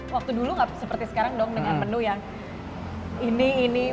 waktu dulu nggak seperti sekarang dong dengan menu yang ini ini